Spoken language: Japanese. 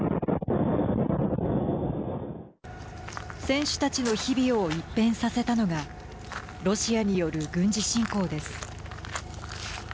選手たちの日々を一変させたのがロシアによる軍事侵攻です。